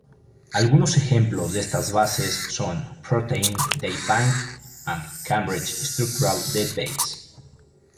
Algunos ejemplos de estas bases son Protein Data Bank and Cambridge Structural Database.